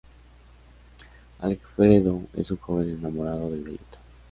Alfredo es un joven enamorado de Violetta.